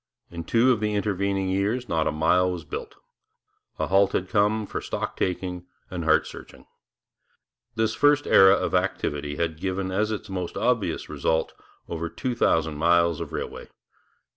In two of the intervening years not a mile was built. A halt had come, for stock taking and heart searching. This first era of activity had given as its most obvious result over two thousand miles of railway.